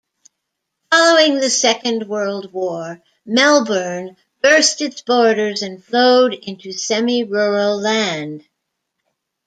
Following the Second World War, Melbourne burst its borders and flowed into semi-rural land.